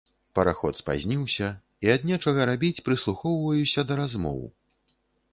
Параход спазніўся, і ад нечага рабіць прыслухоўваюся да размоў.